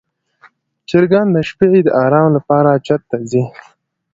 چرګان د شپې د آرام لپاره چت ته ځي.